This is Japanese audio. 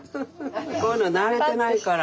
こういうの慣れてないから。